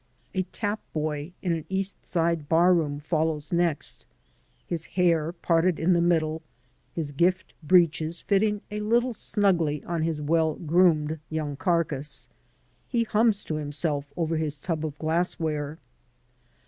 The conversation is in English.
A tap boy in an East Side barroom follows next; his hair parted m the middle, his gift breeches fitting a little snugly on his well groomed young carcass, he hums to himself over his tub of glassware.